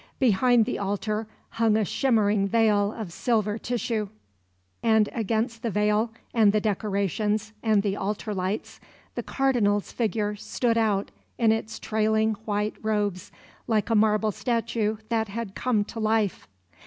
Behind the altar hung a shimmering veil of silver tissue; and against the veil and the decorations and the altar lights the Cardinal's figure stood out in its trailing white robes like a marble statue that had come to life.